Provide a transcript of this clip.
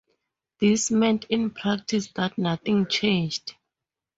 This meant in practice that nothing changed.